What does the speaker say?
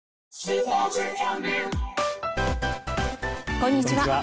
こんにちは。